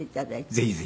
ぜひぜひ。